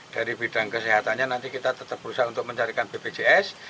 dari bidang kesehatannya nanti kita tetap berusaha untuk mencarikan bpjs